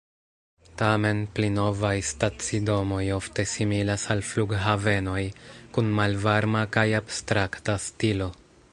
Tamen, pli novaj stacidomoj ofte similas al flughavenoj, kun malvarma kaj abstrakta stilo.